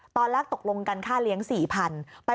ตอนล่างตกลงกันค่าเลี้ยง๔๐๐๐บาท